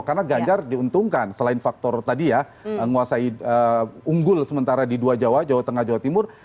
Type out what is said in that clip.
karena ganjar diuntungkan selain faktor tadi ya menguasai unggul sementara di dua jawa jawa tengah jawa timur